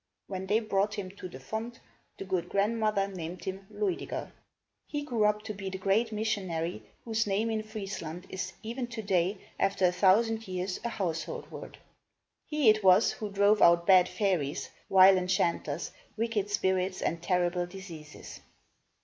When they brought him to the font, the good grandmother named him Luid i ger. He grew up to be the great missionary, whose name in Friesland is, even today, after a thousand years, a household word. He it was who drove out bad fairies, vile enchanters, wicked spirits and terrible diseases.